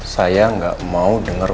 saya gak mau denger